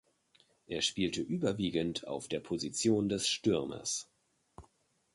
Er spielte überwiegend auf der Position des Stürmers.